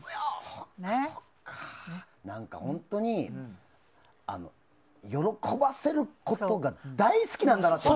本当に喜ばせることが大好きなんだなと。